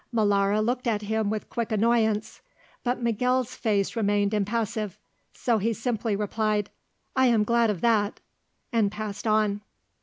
Molara looked at him with quick annoyance; but Miguel's face remained impassive, so he simply replied, "I am glad of that," and passed on.